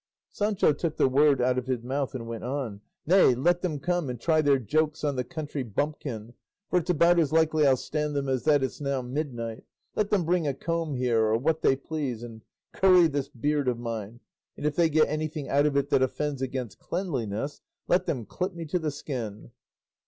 Sancho took the word out of his mouth and went on, "Nay, let them come and try their jokes on the country bumpkin, for it's about as likely I'll stand them as that it's now midnight! Let them bring me a comb here, or what they please, and curry this beard of mine, and if they get anything out of it that offends against cleanliness, let them clip me to the skin."